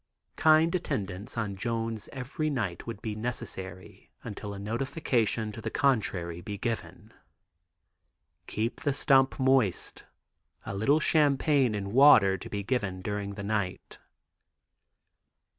"Kind attendance on Jones every night would be necessary until a notification to the contrary be given." "Keep the stump moist; a little champagne and water to be given during the night."